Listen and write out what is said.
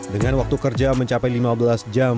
dengan waktu kerja mencapai lima belas jam